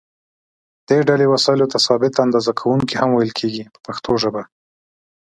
دې ډلې وسایلو ته ثابته اندازه کوونکي هم ویل کېږي په پښتو ژبه.